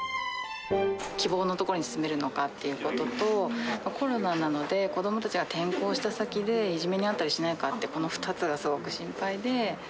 希望の所に住めるのかっていうことと、コロナなので、子どもたちが転校した先で、いじめにあったりしないかって、この２つがすごく心配で。